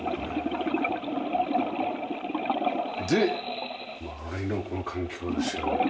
で周りのこの環境ですよね。